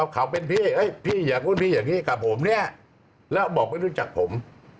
เขาเป็นพี่พี่อย่างนู้นพี่อย่างนี้กับผมเนี่ยแล้วบอกไม่รู้จักผม